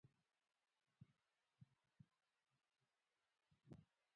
نفت د افغانستان د اقتصادي منابعو ارزښت زیاتوي.